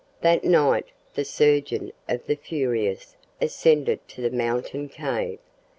That night the surgeon of the "Furious" ascended to the mountain cave.